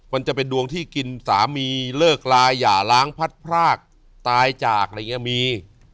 มันจะเป็นดวงที่กินสามีเลิกลาอย่าล้างพัดพรากตายจากอะไรอย่างนี้มี